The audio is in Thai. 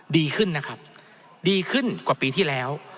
ดีขึ้นนะครับดีขึ้นกว่าปีที่แล้ว